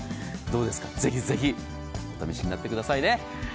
どうですか、ぜひぜひお試しになってくださいね。